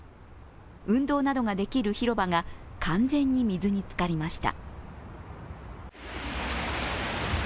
運動などができる広場が完全に水につかりました。